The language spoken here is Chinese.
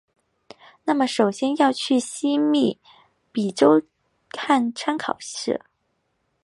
那么首先要去密西西比州汉考克县！